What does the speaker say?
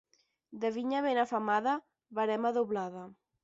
De vinya ben afamada, verema doblada.